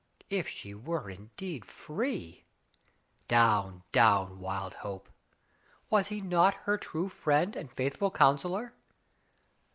If she were indeed free ! Down, down, wild hope ! Was he not her true friend and faithful counselor?